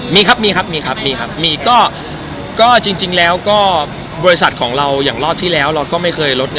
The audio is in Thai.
มีแผนรอบไหมครับทำยังไง